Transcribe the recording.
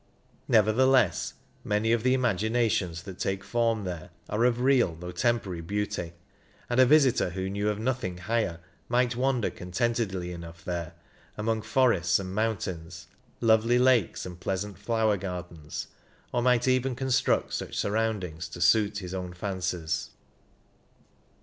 Nevertheless, many of the imaginations that take form there are of real though tem porary beauty, and a visitor who knew of nothing higher might wander contentedly enough there among forests and mountains, lovely lakes and pleasant flower gardens, or might even construct such surroundings to suit his own fancies.